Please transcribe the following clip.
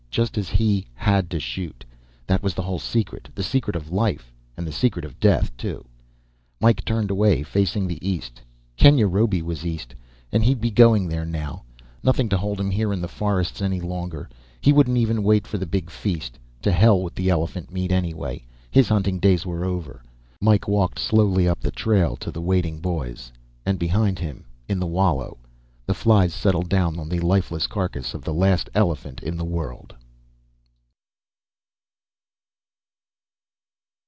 Just as he had to shoot. That was the whole secret. The secret of life. And the secret of death, too. Mike turned away, facing the east. Kenyarobi was east, and he'd be going there now. Nothing to hold him here in the forests any longer. He wouldn't even wait for the big feast. To hell with elephant meat, anyway. His hunting days were over. Mike walked slowly up the trail to the waiting boys. And behind him, in the wallow, the flies settled down on the lifeless carcass of the last elephant in the world.